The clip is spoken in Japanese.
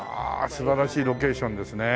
素晴らしいロケーションですね。